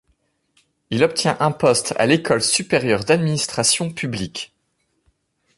Il obtient un poste à l’École supérieure d’administration publique.